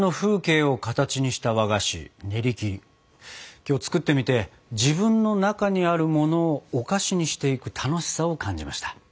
今日作ってみて自分の中にあるものをお菓子にしていく楽しさを感じました。